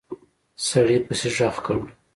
سړي پسې غږ کړ!